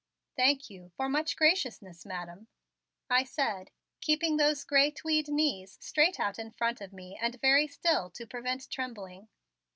"Thank you for much graciousness, Madam," I said, keeping those gray tweed knees straight out in front of me and very still to prevent trembling.